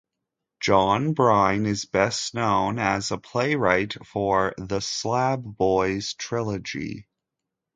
John Byrne is best known as a playwright for The Slab Boys Trilogy.